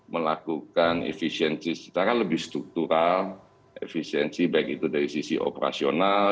melakukan efisiensi secara lebih struktural efisiensi baik itu dari sisi operasional